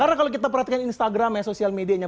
karena kalau kita perhatikan instagram ya sosial medianya